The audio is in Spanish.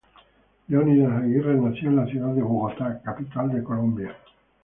Leonidas Aguirre nació en la ciudad de Bogotá, la capital de Colombia.